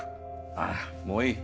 ああもういい。